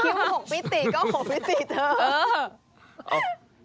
คิ้วหกวิติก็หกวิติเท่า